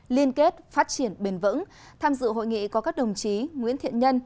liên kết phát triển bền vững tham dự hội nghị có các đồng chí nguyễn thiện nhân